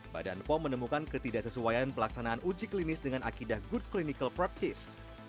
badan pom menemukan ketidaksesuaian pelaksanaan uji klinis dengan akidah good clinical practice